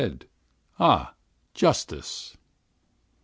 ah! justice!